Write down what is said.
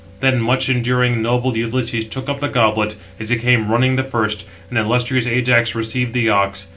Then much enduring, noble Ulysses took up the goblet, as he came running the first; and illustrious Ajax received the ox.